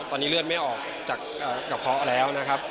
ตอนนี้เลือดไม่ออกจากกระเพาะแล้วนะครับ